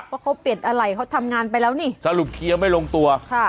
ว่าเขาเปลี่ยนอะไรเขาทำงานไปแล้วนี่สรุปเคลียร์ไม่ลงตัวค่ะ